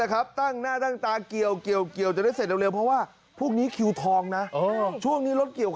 กันเกี่ยวไปแล้ว